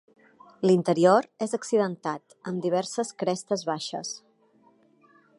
L'interior és accidentat, amb diverses crestes baixes.